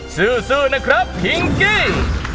ซู่ซู่นะครับพิงกี้